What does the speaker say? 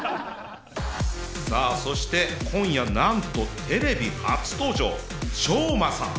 さあそして今夜なんとテレビ初登場翔魔さん。